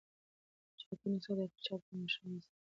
چاپي نسخه چي په چاپ او ما شين را ایستله سوې يي.